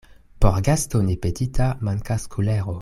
Por gasto ne petita mankas kulero.